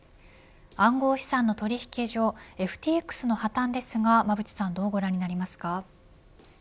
暗号資産の取引所ＦＴＸの破綻ですが馬渕さんどうご覧になりますか。